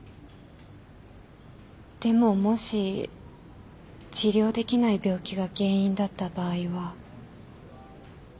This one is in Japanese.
でももし治療できない病気が原因だった場合は。